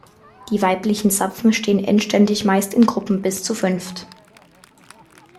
Die weiblichen Zapfen stehen endständig meist in Gruppen bis zu fünft.